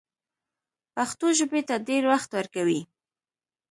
پښتو ژبې ته ډېر وخت ورکوي